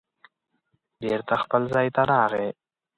بېرته خپل ځای ته راغی